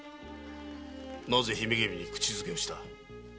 なぜ姫君に口づけをした？